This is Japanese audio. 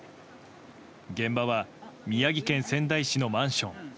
現場は宮城県仙台市のマンション。